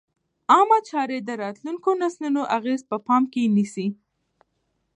عامه چارې د راتلونکو نسلونو اغېز په پام کې نیسي.